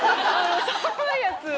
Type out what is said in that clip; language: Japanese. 寒いやつを。